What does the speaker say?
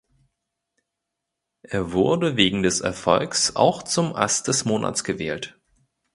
Er wurde wegen des Erfolgs auch zum Ass des Monats gewählt.